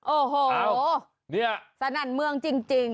โอ้โหนี่สนั่นเมืองจริง